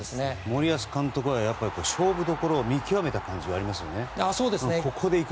森保監督は勝負どころを見極めた感じがありますよね。